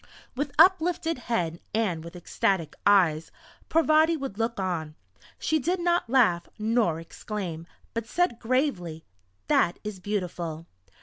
With uplifted head and with ecstatic eyes, Parvati would look on. She did not laugh nor exclaim, but said gravely: "That is beautiful!"